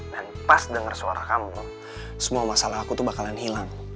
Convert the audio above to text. dan pas denger suara kamu semua masalah aku bakalan hilang